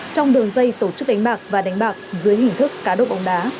trong đường dây tổ chức đánh bạc và đánh bạc dưới hình thức cá độ bóng đá